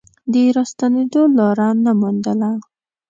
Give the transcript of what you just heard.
د راستنېدو لاره نه موندله.